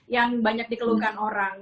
yang banyak dikeluhkan orang